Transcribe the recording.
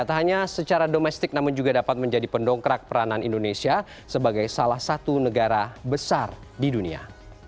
tak hanya secara domestik namun juga dapat menjadi pendongkrak peranan indonesia sebagai salah satu negara besar di dunia